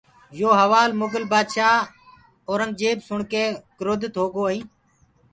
يي هوآل مُگل بآدشآه اورنٚگجيب سُڻڪي ڪروڌِتِ هوگوائينٚ